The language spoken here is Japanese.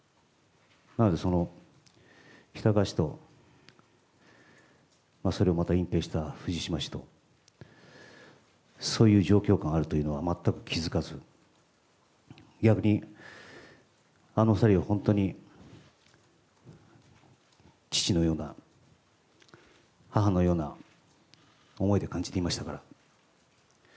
なので、その喜多川氏と、それをまた隠蔽した藤島氏と、そういう状況下があるというのは全く気付かず、逆にあの２人を本当に父のような、母のような思いで感じていましたから。